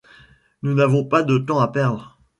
Nous n’avons pas de temps à perdre!